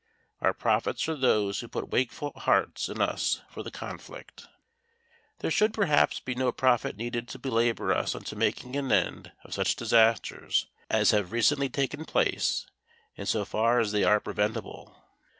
Our prophets are those who put wakeful hearts in us for the conflict. There should perhaps be no prophet needed to belabour us into making an end of such disasters as have recently taken place in so far as they are preventable.